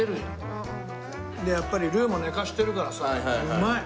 でやっぱりルーも寝かしてるからさうまい。